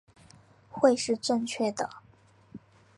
会是正确的